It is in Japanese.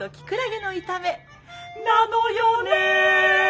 なのよね